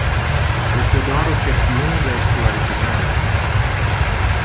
Este doar o chestiune de clarificare.